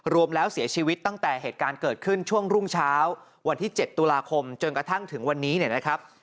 รวมแล้วเสียชีวิตตั้งแต่เหตุการณ์เกิดขึ้นช่วงรุ่งเช้าวันที่๗ตุลาคมจนกระทั่งถึงวันนี้เนี่ยนะครับ